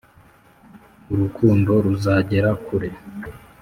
Ururukundo ruzagera kure